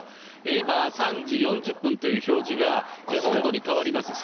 今３時４０分という表示が温度に変わります。